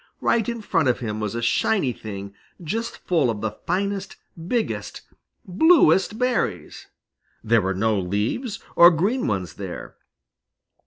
Right in front of him was a shiny thing just full of the finest, biggest, bluest berries! There were no leaves or green ones there.